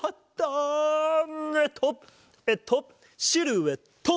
えっとえっとシルエット！